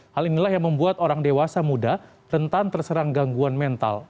hal inilah yang membuat orang dewasa muda rentan terserang gangguan mental